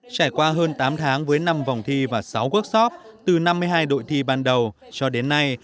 trải qua hơn tám tháng với năm vòng thi và sáu workshop từ năm mươi hai đội thi ban đầu cho đến nay